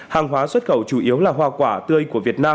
hàng hóa xuất khẩu chủ yếu là hoa quả tươi của việt nam